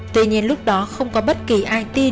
tuy nhiên lúc đó không có bất kỳ ai tin